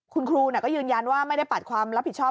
คุณครูก็ยืนยันว่าไม่ได้ปัดความรับผิดชอบ